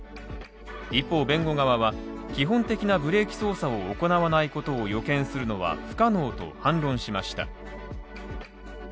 一方弁護側は基本的なブレーキ操作を行わないことを予見するのは不可能と反論しました。